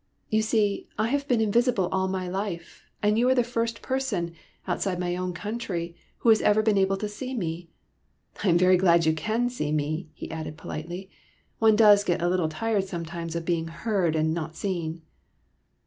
You see, I have been invisible all my life, and you are the first person, outside my own country, who has ever been able to see me. I am very glad you can see me," he added politely ;'' one gets a little tired sometimes of being heard and not seen."